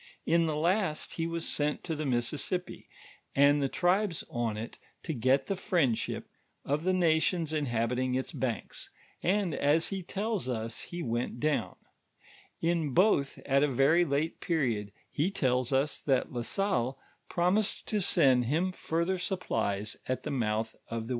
In the lost, he was sent to the Mississip]>i, and the tribes on it to get the friendship of the nations inhabiting its banks, ond as he tells us he went down. In both, at a very late period he tells us that La SoUe promised to send him further supplies at the mouth of the Wisconsin, u "% s^ IMAGE EVALUATION TEST TARGET (MT S) d^ 1.